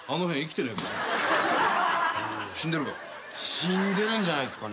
死んでるんじゃないですかね。